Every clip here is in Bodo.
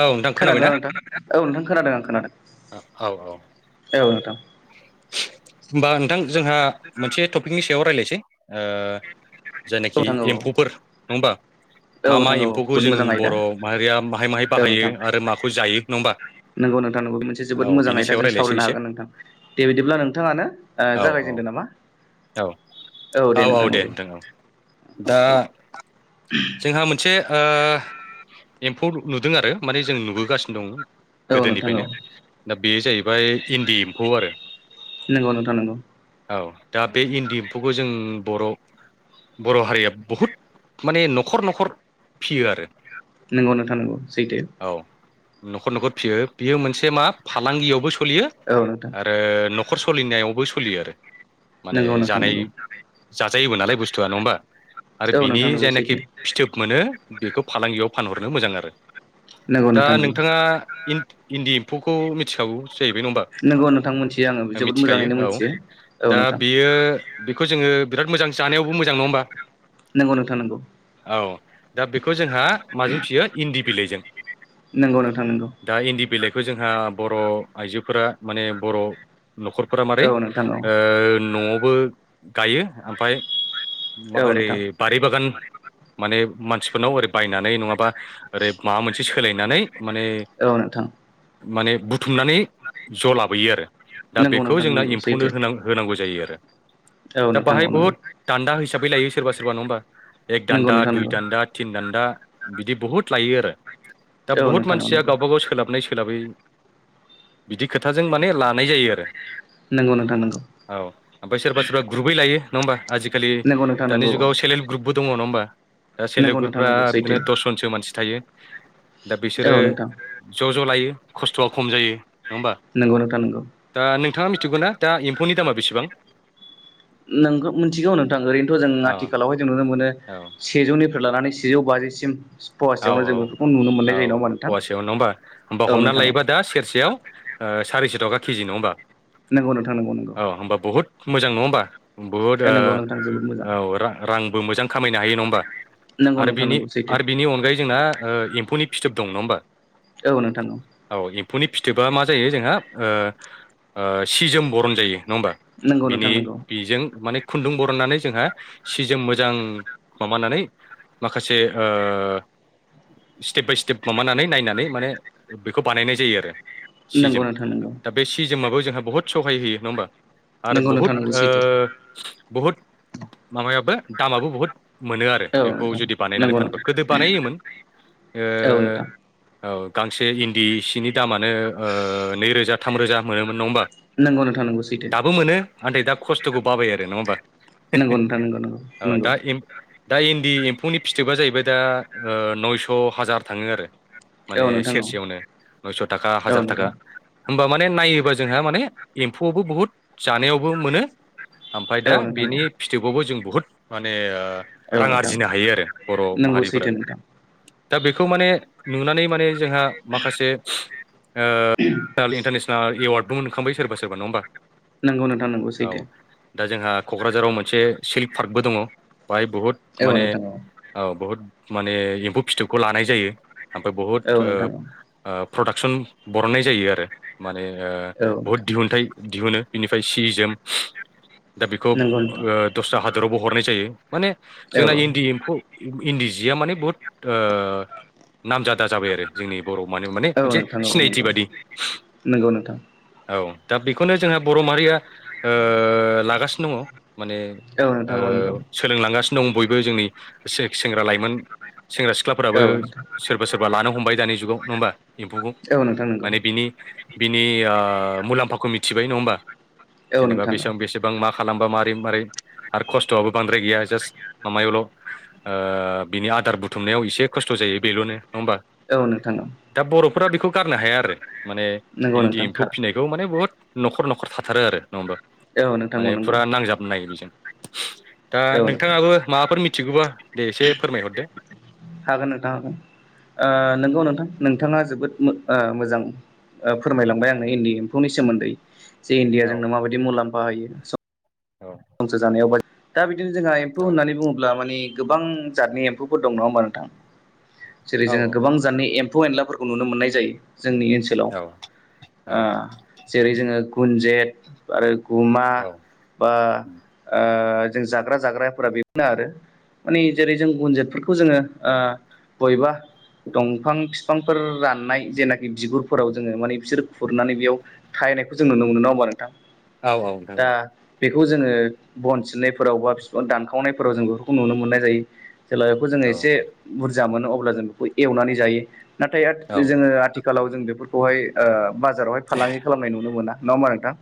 औ नोंथां खोनाबायना खोनादोना नोंथां औ नोंथां खोनादों आं खोनादों औ नोंथां होमबा नोंथां जोंहा मोनसे टपिकनि सायाव रायज्लायनोसै औ जायनाखि नोंथां एमफौफोर नङा होमबा औ मा मा नोंथां औ जोबोद एम्फौखौ जों मोजां आयदा बर' माहारिया माहाय माहाय बाहायो आरो माखौ जायो नङा होमबा नगौ नोंथां नंगौ मोनसे जोबोद औ मोजां बिनि सायाव आयदाजों रायज्लायसै सावरायनो एसे हागोन नोंथां दे बिदिब्ला नोंथाङानो ओ औ औ जागायजेनदो नामा औ औ औ दे नोंथां औ दा जोंहा मोनसे ओ एमफौ नुदों आरो माने जों नुबोगासिनो दं औ नोंथां गोदोनिफ्रायनो औ दा बे जाहैबाय इन्दि एम्फौ आरो नंगौ नोंथा नंगौ औ दा बे इन्दि एमफौखौ जों बर' बर' हारिया बहुद माने नखर न'खर फियो आरो नंगौ नोंथा नंगौ सैथो औ नखर न'खर फिसियो बियो मोनसे मा फालांगियावबो सलियो औ नोंथां आरो नखर सोलिनायावबो सोलियो आरो माने नंगौ नोंथां जानाय नंगौ जायोबो नालाय बुस्थुआ नङा होमबा आरो औ बिनि नोंथां नंगौ जायनाखि सैथो फिथोब मोनो बेखौ फालांगियाव फानहरनो मोजां आरो नंगौ दा नोंथां नंगौ नोंथाङा इन्दि एमफौखौ मिथिखागौ जाहैबाय नङा होमबा नंगौ नोंथां मोनथियो आङो जोबोद मिथिखायो मोजाङैनो औ मोनथियो औ दा नोंथां बियो बेखौ जोङो बिराद मोजां जानायावबो मोजां नङा होमबा नंगौ नोंथां नंगौ औ दा बेखौ जोंहा माजों फिसियो इन्दि बिलाइजों नंगौ नोंथां नंगौ बेखौ जोंहा बर' आइजोफोरा माने बर' न'खरफोरा मारै औ नोंथां औ न'आवबो गायो ओमफ्राय औ हारि नोंथां बारि बागान माने मानसिफोरनाव ओरै बायनानै नङाबा ओरै माबा मोनसे सोलायनानै माने औ नोंथां माने बुथुमनानै ज' लाबोयो आरो दा नंगौ बेखौ नोंथां जोंना नंगौ एमफौनो सैथो हो होनांगौ जायो आरो औ दा नोंथां औ बाहाय नंगौ बहुत दानदा फै लायो सोरबा सोरबा नङा होमबा एक नंगौ दान्दा नोंथां दुइ नंगौ दान्दा थिन दान्दा बिदि बुहुत लायो आरो दा औ बुहुत नोंथां औ मानसिया नंगौ गावबा गाव सोलाबनाय सो सोलाबै बिदि खोथाजों माने लानाय जायो आरो नंगौ नोंथां नंगौ औ ओमफ्राय सोरबा सोरबा ग्रुपै लायो नङा होनबा आजिखालि नंगौ नोंथां दानि नंगौ जुगाव सेल्प हेल्प ग्रुपबो दङा होमबा दा सेल्प हेल्प नंगौ नोंथां ग्रुपफ्रा नंगौ सैथो बिदिनो दसजनसो मानसि थायो दा बिसोरो औ नोंथां ज' ज' लायो खस्थ'आ खम जायो नङा होमबा नोंगौ नोंथां नोंगौ दा नोंथाङा मिथिगौ ना दा एमफौनि दामा बेसेबां नों मिथिगौ नोंथां ओरैनोथ' जों औ आथिखालावहाय जों नुनो मोनो औ सेजौनिफ्राय लानानै सेजौ बाजिसिम औ फवासेयावनो औ जों बेफोरखौ नुनो मोननाय औ जायो नङा होमबा फुवासेयाव नङा होमबा होमबा हमना नोंथां औ नोंथां औ लायोबा दा सेरसेयाव सारिस' थाखा केजि नङा होमबा नंगौ नोंथां नंगौ नंगौ औ होमबा बुहुत मोजां नङा होमबा बुहुद नंगौ नोंथां जोबोद मोजां ओ औ रांबो मोजां खामायनो हायो नङा होमबा नंगौ नोंथां नांगौ सैथो दंलै जोंना ओ एम्फौनि फिथोब दं नङा होमबा औ नोंथां औ फुनि फिथोबा मा जायो जोंहा ओ ओ सि जोम बरन जायो। नङा होमबा नंगौ नोंथां बिनि नंगौ बिजों माने खुन्दुं बरननानै जोंहा सि जोम मोजां माबानानै माखासे ओ ओ स्टेप बाय स्टेप माबानानै नायनानै माने बेखौ बानायनाय जायो आरो नंगौ नोंथां नोंगौ जों जाबो जोंहा बुहुत ओ सहाय जायो नङा होमबा आरो नंगौ बुहुत नोंथां नंगौ सैथो ओ बुहुद माबायाबो दामाबो बुहुत मोनो आरो औ बेखौ नोंथां जुदि बानायनानै नंगौ फानोबा नोंथां गोदो बानायोमोन ओ औ नोंथां औ गांसे इन्दि सिनि दामानो ओ नैरोजा थाम रोजा मोनोमोन नङा होमबा नंगौ नोंथां नांगौ सैथो आफ्राय दा खस्थ'खौ बाबाय आरो नङा होमबा नंगौ नोंथां नंगौ [inaudible] औ नंगौ दा दा इन्दि एम्फौनि फिथोबा जाहैबाय दा ओ नयस' हाजार थाङो आरो औ माने नोंथां औ सेरसेयावनो नयस' थाखा औ हाजार थाखा नोंथां होमब होमबा माने नायोबा जोंहा माने एम्फौआवबो बुहुत जानायावबो मोनो ओमफाय औ दा नोंथां बेनि फिथोबावबो जों बुहुद माने औ औ रां नोंथां आरजिनो हायो आरो बर'वाव नंगौ सैथो नोंथां। दा बेखौ माने नुनानै माने जोंहा माखासे ओ नेनेल इन्टारनेसनेल ओ एवार्डबो मोनखांबाय सोरबा सोरबा नङा होनबा नोंगौ नोंथां नोंगौ सैथो जोंहा क'क्राझाराव मोनसे सिल्क पार्कबो दङ बाहाय बुहुद औ माने नोंथां औ माने एम्फौ फिथोबखौ लानाय जायो ओमफाय बहुद औ नोंथां औ आ आ प्रडाक्सन बरननाय जायो आरो। माने ओ औ बहुद नोंथां दिहुनथाइ दिहुनो बिनिफ्राय सि जोम दा बेखौ नंगौ नोंथां ओ दस्रा हा दरावबो हरनाय जायो माने औ जोंना इन्दि एम्फौ इन्दि जिया माने बुहुत ओ नामजादा जाबाय आरो जोंनि बर' मानो माने औ मोनसे नोंथां औ सिनायथि नंगौ बादि। नंगौ नोंथां औ दा बेखौनो जोंहा बर' माहारिया ओ लागासिनो दङ'। माने औ नोंथां औ नंगौ ओ सोलोंलांगासिनो दं बयबो जोंनि से- सेंग्रा लाइमोन सेंग्रा सिख्लाफोराबो औ नोंथां सोरबा सोरबा लानो हमबाय दानि जुगाव नङा होमबा एम्फौखौ औ नोंथां नंगौ माने बिनि बिनि आ मुलाम्फाखौ मिथिबाय नङा होमबा औ जेनेबा नोंथां बेसेबां बेसेबां मा खालामबा मारै मारै आरो खस्थ'आबो बांद्राय गैया जास्ट माबायावल' ओ बिनि आदार बुथुमनायाव एसे खस्थ' जायो बेल'नो औ नोंथां नोंगौ फोरा बेखौ गारनो हाया आरो माने नंगौ इन्दि नोंथां एम्फौ थार फिसिनायखौ माने बुहुत न'खर न'खर थाथारो आरो नङा होमबा औ नोंथां औ माने नंगौ फुरा नांजाबनो बेजों दा औ नोंथां नोंथाङाबो माबाफोर मिथिगौबा दे एसे फोरमायहरदो हागोन नोंथां हागोन ओ नंगौ नोंथां नोंथाङा जोबोद ओ मोजां आ फोरमायलांबाय आंनो इन्दि एम्फौनि सोमोन्दै जि इन्दिया औ जोंनो माबादि लाम्फा होयो औ संसार जानायाव दा बिदिनो जोंहा एम्फौ औ होननानै बुङोब्ला माने गोबां जादनि एम्फौफोर दङ' नङा होमबा नोंथां जेरै औ जोङो गोबां जादनि एम एम्फौ एनलाफोरखौ नुनो मोननाय जायो। जोंनि ओनसोलाव औ ओ जेरै जोङो गुनजेत आरो गुमा औ बा ओ जों जाग्रा जाग्राफोरा बेफोरनो आरो माने जेरै जों गुनजितफोरखौ जोङो ओ बयबा दंफां बिफांफोर राननाय जेनाखि बिगुरफोराव जोङो माने बिसोर खुरनानै बेयाव था नायखौ जों नुनो मोनो नङा होमबा नोंथां औ औ नोंथां दा औ बेखौ जोङो बन सिननायफोराव बा बिफां दानखावनायफोराव जों बेफोरखौ नुनो मोननाय जायो जेब्ला बेखौ जोङो एसे बुरजा मोनो अब्ला जों बेखौ एवनानै जायो नाथाय जोङो आथिखालाव जों बेफोरखौहाय ओ बाजारावहाय फालांगि खालामनाय नुनो मोना नङा होमबा नोंथां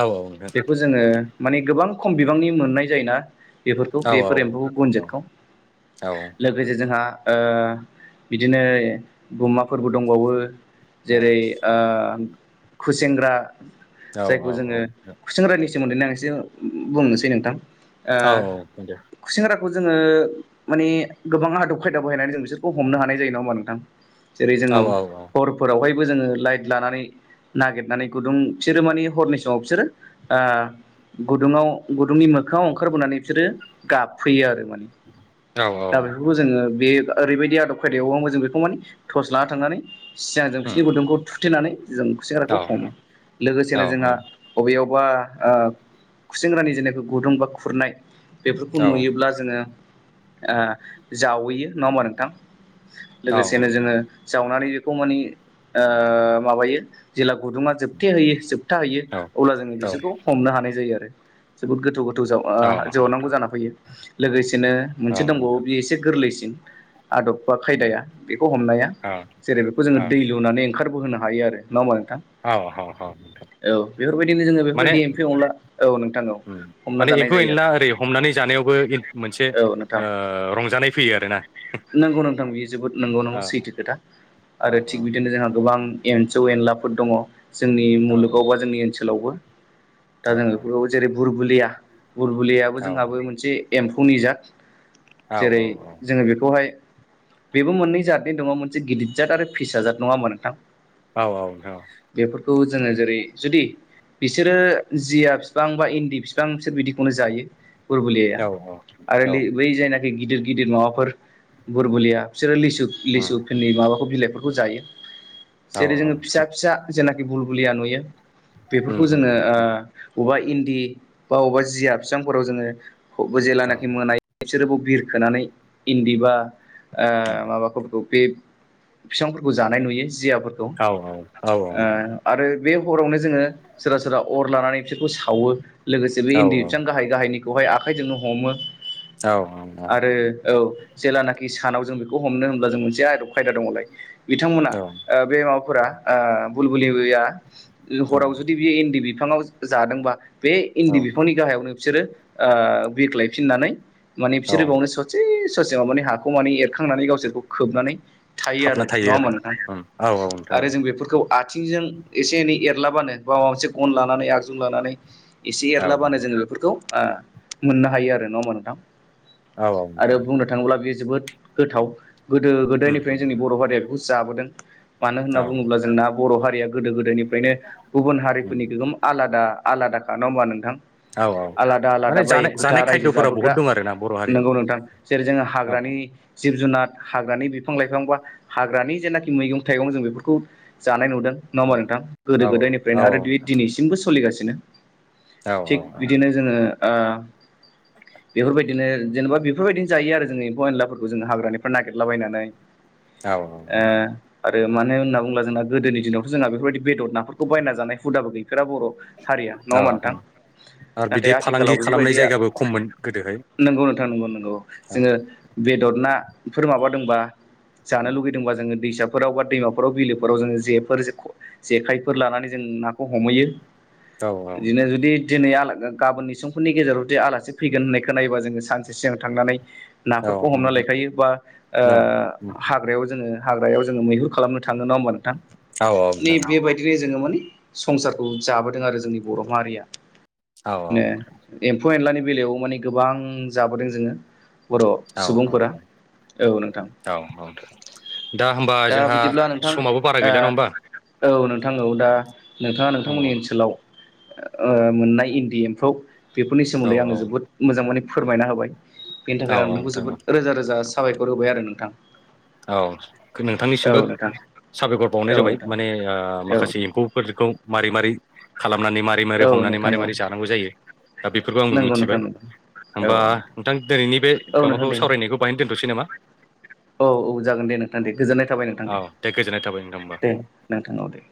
औ नोंथां औ बेखौ जोङो माने गोबां खम बिबांनि मोननाय जायोना बेफोरखौ बेफोर एम्फौ गुनजेतखौ औ लोगोसे जोंहा ओ बिदिनो गुमा फोरबो दंबावो जेरै ओ खुसेेंग्रा औ जायखौ औ जोङो खुसेंग्रानि सोमोनदै ना एसे बुंनोसै नोंथां ओ औ औ दे खुसेंग्रा खौ जोङो माने गोबां आदब खायदा बाहायनानै जों बिसोरखौ हमनो हानाय जायो नङा होमबा नोंथां जेरै औ जोङो औ हरफोरावहायबो जोङो लाइट लानानै नागिरनानै गुदुं बिसोरो मानि हरनि समाव बिसोरो ओ गुदुङाव गुदुंनि मोखाङाव ओंखारबोनानै बिसोरो गाबफैयो आरो औ दा बेफोरखौ जोङो बे ओरैबायदि आदब खायदायावबो जों बेखौ माने टर्स लाना थांनानै सिगां जों उम बिसिनि गुदुंखौ थुथेनानै जों औ खुसेंग्राखौ हमो औ लोगोसेनो जोंहा बबेयाव बा ओ खुसेंग्रानि जेखि गुदुं बा खुरनाय बेफोरखौ औ नुयोब्ला जोङो ओ जावहैयो नङा होमबा नोंथां औ लोगोसेनो जोङो जावनानै बेखौ मानि ओ माबायो जेब्ला गुदुङा जोब थोबथे होयो जोबथा होयो अब्ला जोङो बिसोरखौ हमनो हानाय जायो आरो जोबोद गोथौ गोथौ गोथौ जावनांगौ जाना फैयो लोगोसेनो मोनसे दंबावो बे एसे गोरलैसिन आदब बा खायदाया बेखौ हमनाया जेरै बेखौ जोङो दै लुनानै ओंखारबोहोनो हायो आरो नङा होमबा नोंथां औ बेफोरबायदिनो जोङो माने बेफोरबायदि एम्फौ एनला माने एम्फौ एनला ओरै हमनानै जानायावबो मोनसे औ नोंथां ओ रंजानाय फैयो आरोना नंगौ नोंथां बियो जोबोद नंगौ नंगौ औ सैथो खोथा औ आरो थिग बिदिनो जोंहा गोबां एमफौ एनलाफोर दङ जोंनि औ मुलुगाव बा जोंनि ओनसोलावबो दा औ जोंङो बेफोरखौ जेरै बुरबुलिया बुरबुलियाबो औ जोंहाबो मोनसे एम्फौनि जात औ जेरै जोङो बेखौहाय बेबो मोननै जादनि दङ मोनसे गिदिर जाद आरो फिसाजाद नङा होमा नोंथां औ औ औ खौ जोङो जेरै जुदि बिसोरो जिया बिफां बा इन्दि बिफां बिसोर बिदिखौनो जायो बुरबुलियाया औ आरो औ बै जाय नाखि आरो गिदिर गिदिर माबाफोर बुरबुलिया बिसोरो लिसु उम लिसु फोरनि माबाखौ बिलाइखौ जायो औ जेरै जोङो फिसा फिसा जेनाखि बुलरबुलिया नुयो उम बेफोरखौ उम जोङो उम उम ओ अबेबा इन्दि बा अबेबा जिया बिफां फोराव जोङो बो औ जेेलानाखि मोनायो बिसोरबो बिरखोनानै इन्दिबा ओ उम माबाफोरखौ बे बिफांफोरखौ जानाय नुयो जिया ओ औ औ आरो बे हरावनो जोङो सोरबा सोरबा अर लानानै बिसोरखौ सावो लोगोसे बे इन्दि बिसां गाहाय गाहाय निखौहाय आखाइजोंनो हमो। औ औ औ। आरो औ जेलानाखि सानाव जों बेखौ हमनो होनब्ला जों मोनसे आदब खायदा दङलाय। बिथांमोना बे माबाफोरा बुलबुलिया औ हराव जुदि बियो इन्दि। बिफाङाव जादोंबा बे औ इन्दि बिफांनि गाहायावनो बिसोरो ओ बिरग्लायफिननानै। माने बिसोर औ बावनो ससे ससेआवनो माने हाखौ माने एरखांनानै गावसोरखौ खोबनानै थायो आरो हाबना नङा होमबा नोंथां उम औ औ नोंथां आरो जों बेफोरखौ। आथिंजों एसे एनै एरलाबानो बा माबा मोनसे गन लानानै आगजु लानानै। एसे औ औ एरलाबानो जोङो बेफोरखौ मोननो हायो आरो नङा होनबा नोंथां। औ औ आरो नोंथां बुंनो थाङोब्ला बेयो जोबोद गोथाव गोदो उम गोदायनिफ्रायनो जोंनि उम बर' हारिया। बहुत जाबोदों। मानो होनना औ बुङोब्ला जोंना बर' हारिया गोदो गोदायनिफ्रायनो गुबुन उम हारिफोरनि गोगोम। आलादा आलादाखा नङा होमबा नोंथां। औ औ आलादा आलादा माने बाय जानाय एखुथा जानाय रायजो खायद'फोरा बहुद जाबोग्रा दं आरोना बर' नंगौ हारियाव नोंथां जेरै जोङो औ हाग्रानि। जिब जुनार हाग्रानि बिफां लाइफां बा हाग्रानि जेनाखि मैगं थाइगं जों बेफोरखौ जानाय नुदों। नङा औ होमबा नोंथां औ गोदो औ गोदायनिफ्रायनो आरो दु दिनैसिम सोलिगासिनो औ थिग बिदिनो जोङो। बेफोरबायदिनो जेनेबा बेफोरबायदिनो जायो आरो जोङो एम्फौ एनलाफोरखौ जोङो हाग्रानिफ्राय नागिरलाबायनानै। औ औ ओ औ। आरो मानो होनना बुंडोब्ला जोंना गोदोनि दिनावथ' जोंहा बेफोरबायदि बेदर नाफोरखौ बायना जानाय हुदाबो गैया। बर' हारिया नङा औ मथां आरो नाथाय बिदि आथिखालाव फालांगि खालामनाय बेफोरबायदिया। जायगाबो खममोन गोदोहाय नंगौ नोंथां नंगौ नंगौ औ जोङो बेदर ना? बेफोर माबादोंबा जानो लुगैदोंबा जोङो। दैसाफोराव बा दैमाफोराव बिलोफोराव जोङो जेफोर जेखायफोर लानानै जों नाखौ। हमहैयो औ बिदिनो जुदि दिनै आला गाबोननि समफोरनि गेजेराव जे आलासि फैगोन होननायखौ नायोबा जोङो सानसे सिगां थांनानै। औ नाफोरखौ औ हमना लायखायो बा हाग्रायाव जोङो हाग्रायाव जोङो मैहुर खालामनो। थाङो नङा होमबा नोंथां माने बेबायदिनो जोङो माने। संसारखौ जाबोदों आरो जोंनि बर' माहारिया औ एम्फौ-एनलानि बेलायाव माने गोबां जाबोदों जोङो बर' औ सुबुंफोरा औ नोंथां औ औ दा होमबा जोंहा बिदिब्ला नोंथां समाबो बारा गैला नङा होमबा? औ नोंथां औ दा। नोंथाङा औ नोंथांमोननि ओनसोलाव मोननाय इन्दि एम्फौ। बेफोरनि औ सोमोन्दै आंनो जोबोद मोजां माने फोरमायना होबाय बेनि औ थाखायनो आं नोंथांखौ नोंथां जोबोद रोजा रोजा। साबायखर होबाय आरो नोंथां। औ औ नोंथांनिसिमबो। नोंथां साबायखर बावनाय औ जाबाय नोंथां माने औ माखासे एम्फौफोरखौ। मारै मारै खालामनानै मारै मारै औ हमनानै नोंथां मारै औ मारै जानांगौ जायो। दा बेफोरखौ आंबो नंगौ मिथिबाय नोंथां नंगौ औ होमबा नोंथां दिनैनि बे औ नोंथां माबाखौ दे सावरायनायखौ बाहायनो दोनथ'सै नामा? औ औ जागोन दे नोंथां दे गोजोननाय थाबाय नोंथां औ दे। गोजोननाय थाबाय नोंथां होमबा दे नोंथांडा दे।